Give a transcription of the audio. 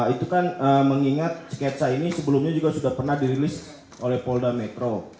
itu kan mengingat sketsa ini sebelumnya juga sudah pernah dirilis oleh polda metro